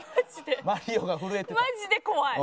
マジで怖い。